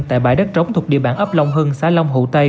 tại bãi đất trống thuộc địa bản ấp long hưng xã long hụ tây